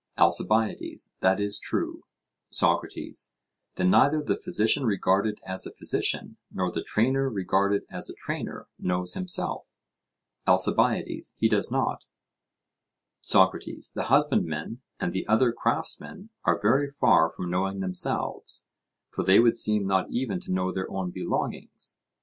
ALCIBIADES: That is true. SOCRATES: Then neither the physician regarded as a physician, nor the trainer regarded as a trainer, knows himself? ALCIBIADES: He does not. SOCRATES: The husbandmen and the other craftsmen are very far from knowing themselves, for they would seem not even to know their own belongings?